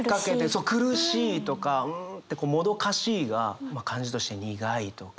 そう苦しいとかうんってこうもどかしいがまあ感じとして苦いとか。